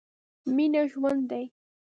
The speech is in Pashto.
مينه ژوند دی.